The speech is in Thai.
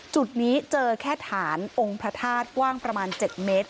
จุดนี้เจอแค่ฐานองค์พระธาตุกว้างประมาณ๗เมตร